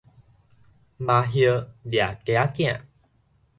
鴟鴞掠雞仔囝